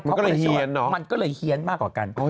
มันก็เลยเฮียนเนอะมันก็เลยเฮียนมากกว่ากัน